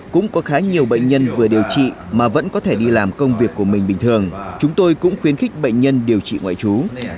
cũng có khá nhiều bệnh nhân vừa điều trị mà vẫn có thể đi làm công việc của mình bình thường chúng tôi cũng khuyến khích bệnh nhân điều trị ngoại trú